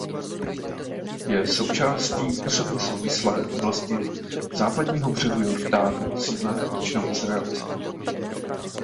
Je součástí územně souvislé oblasti Západního břehu Jordánu osídlené většinou Izraelci.